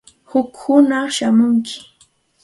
Huk hunaq shamunki.